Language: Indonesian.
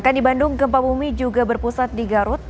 kan di bandung gempa bumi juga berpusat di garut